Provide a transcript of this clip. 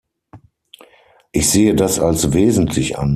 Ich sehe das als wesentlich an.